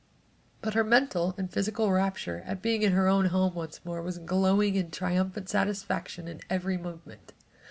But her mental and physical rapture at being in her own home once more was glowing in triumphant satisfaction in every movement.